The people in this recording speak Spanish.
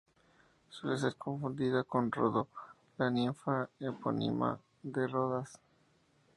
Suele ser confundida con Rodo, la ninfa epónima de Rodas.